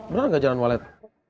benar nggak jalan walet